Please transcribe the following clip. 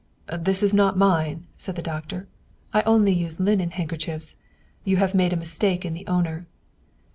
" This is not mine," said the doctor. " I use only linen handkerchiefs. You have made a mistake in the owner."